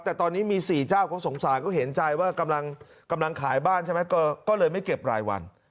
แต่ตอนนี้มี๔เจ้าเขาสงสารเขาเห็นใจว่ากำลังขายบ้านใช่ไหมก็เลยไม่เก็บรายวัน